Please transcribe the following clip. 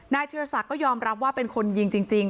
ธิรศักดิ์ก็ยอมรับว่าเป็นคนยิงจริง